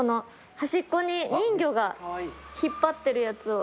端っこに人魚が引っ張ってるやつを。